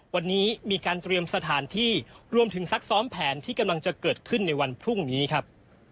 วันนี้มีการเตรียมสถานที่รวมถึงซักซ้อมแผนที่กำลังจะเกิดขึ้นในวันพรุ่งนี้ครับ